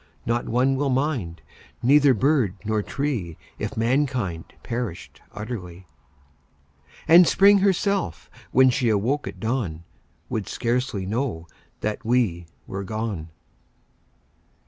Not one would mind, neither bird nor tree If mankind perished utterly; And Spring herself, when she woke at dawn, Would scarcely know that we were gone.